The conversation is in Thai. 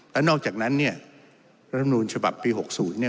แล้วนอกจากนั้นเนี่ยรัฐมนูลฉบับปี๖๐เนี่ย